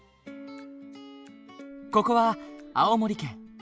ここは青森県。